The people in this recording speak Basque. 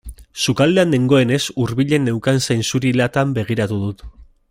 Sukaldean nengoenez hurbilen neukan zainzuri latan begiratu dut.